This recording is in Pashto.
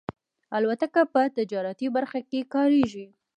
الوتکه په تجارتي برخه کې کارېږي.